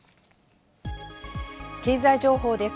経済情報です。